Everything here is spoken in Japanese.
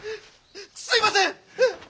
すみません！